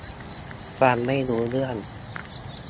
ฟังไม่รู้เรื่อง